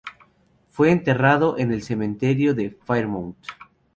Fue enterrado en el cementerio de Fairmont.